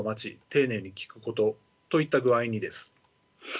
丁寧に聞くことといった具合にです。